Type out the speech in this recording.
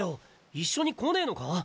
一緒に来ねえのか？